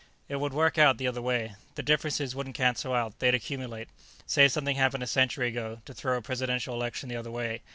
"It would work out the other way. The differences wouldn't cancel out; they'd accumulate. Say something happened a century ago, to throw a presidential election the other way.